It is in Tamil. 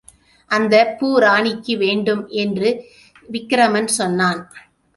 அந்தப் பூ ராணிக்கு வேண்டும் என்று விக்கிரமன் சொன்னான்.